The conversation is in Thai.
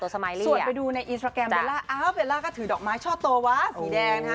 ส่วนไปดูในอินสตราแกรมเบลล่าอ้าวเบลล่าก็ถือดอกไม้ช่อโตวะสีแดงนะฮะ